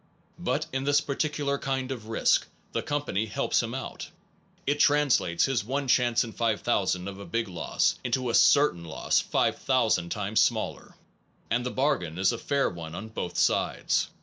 But in this particular kind of risk, the com pany helps him out. It translates his one chance in 5000 of a big loss, into a certain loss 5000 times smaller, and the bargain is a fair one on both sides.